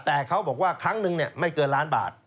แต่เขาบอกว่าครั้งนึงไม่เกินล้านบาท